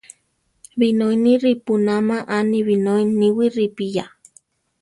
Binói ni ripúnama, a ni binói níwi ripiyá.